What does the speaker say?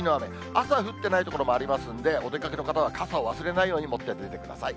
朝降ってない所もありますんで、お出かけの方は傘を忘れないように持って出てください。